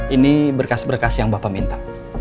ini berkas berkas yang bapak minta